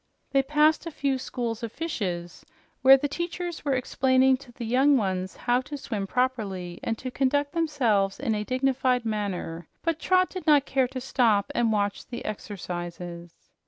They passed a few schools of fishes, where the teachers were explaining to the young ones how to swim properly, and to conduct themselves in a dignified manner, but Trot did not care to stop and watch the exercises.